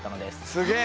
すげえ！